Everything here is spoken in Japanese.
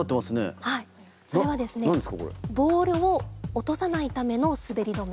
ボールを落とさないための滑り止め。